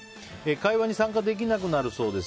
会話に参加できなくなるそうです。